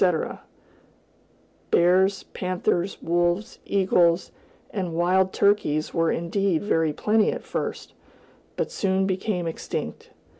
"[B] Bears, panthers, wolves, eagles, and wild turkeys were indeed very plenty at first, but soon became extinct.